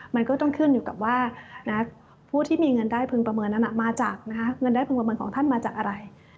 มันก็ต้องขึ้นอยู่กับว่าผู้ที่มีเงินได้พึงประเมินนั้นมาจากเงินได้พึงประเมินของท่านมาจากอะไร